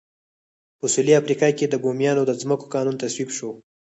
په سوېلي افریقا کې د بومیانو د ځمکو قانون تصویب شو.